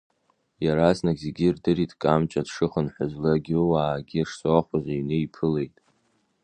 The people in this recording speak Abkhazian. Иаразнак зегьы ирдырит Қамча дшыхынҳәыз, лагьы уаагьы шзахәоз иҩны иԥылеит.